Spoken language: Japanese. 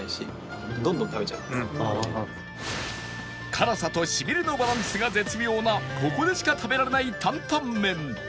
辛さとシビれのバランスが絶妙なここでしか食べられない担々麺